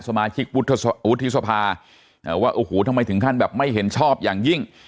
สมาชิกวุฒิสภาว่าโอ้โหทำไมถึงขั้นแบบไม่เห็นชอบอย่างยิ่ง